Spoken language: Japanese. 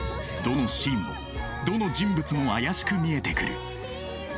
どのシーンもどの人物も怪しく見えてくる。